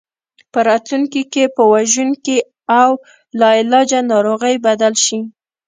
په راتلونکي کې په وژونکي او لاعلاجه ناروغۍ بدل شي.